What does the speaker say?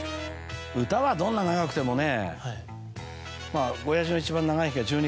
歌はどんな長くてもね。